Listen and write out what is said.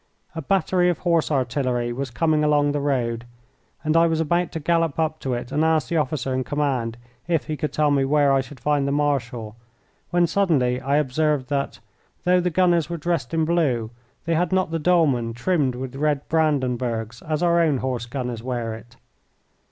A battery of Horse Artillery was coming along the road, and I was about to gallop up to it and ask the officer in command if he could tell me where I should find the Marshal, when suddenly I observed that, though the gunners were dressed in blue, they had not the dolman trimmed with red brandenburgs as our own horse gunners wear it.